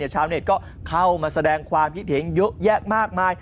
ชาวเน็ตก็เข้ามาแสดงความคิดเห็นเยอะแยะมากมาย